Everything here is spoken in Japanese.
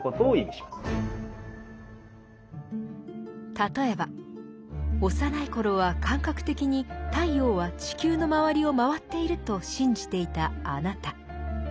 例えば幼い頃は感覚的に太陽は地球の周りを回っていると信じていたあなた。